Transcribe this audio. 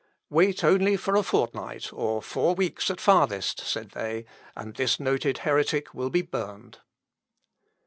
"Wait only for a fortnight, or four weeks at farthest," said they, "and this noted heretic will be burned."